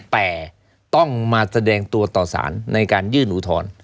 แต่ต้องมาแสดงตัวต่อสารในการยื่นอุทธรณ์